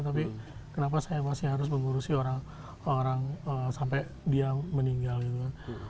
tapi kenapa saya masih harus mengurusi orang sampai dia meninggal gitu kan